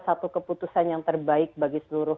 satu keputusan yang terbaik bagi seluruh